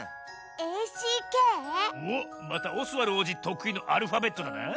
おっまたオスワルおうじとくいのアルファベットだな。